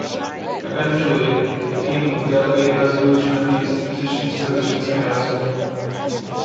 Eventually, the King would delegate resolution of these petitions to the King's Council.